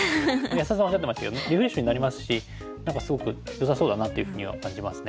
安田さんおっしゃってましたけどリフレッシュになりますし何かすごくよさそうだなっていうふうには感じますね。